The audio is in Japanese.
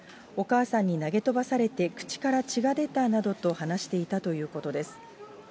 お母さんに投げ飛ばされて、口から血が出たなどと話していたということです。